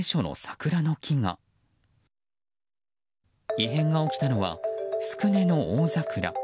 異変が起きたのは宿根の大桜。